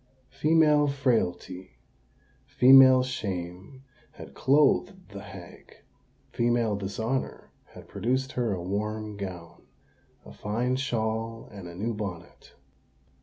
Female frailty—female shame had clothed the hag: female dishonour had produced her a warm gown, a fine shawl, and a new bonnet.